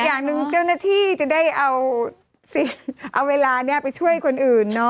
อย่างหนึ่งเจ้าหน้าที่จะได้เอาเวลานี้ไปช่วยคนอื่น